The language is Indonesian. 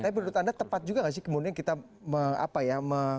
tapi menurut anda tepat juga gak sih